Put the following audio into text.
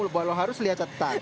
bahwa lo harus lihat catatan